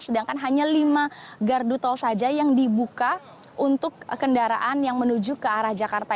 sedangkan hanya lima gardu tol saja yang dibuka untuk kendaraan yang menuju ke arah jakarta